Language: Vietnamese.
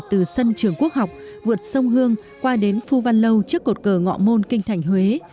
từ sân trường quốc học vượt sông hương qua đến phu văn lâu trước cột cờ ngọ môn kinh thành huế